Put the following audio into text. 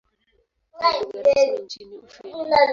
Ni lugha rasmi nchini Ufini.